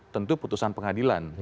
tentu putusan pengadilan